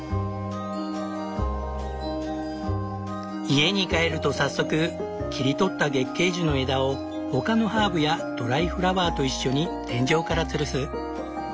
家に帰ると早速切り取った月桂樹の枝を他のハーブやドライフラワーと一緒に天井からつるす。